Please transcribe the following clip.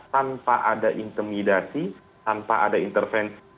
tanpa ada intimidasi tanpa ada intervensi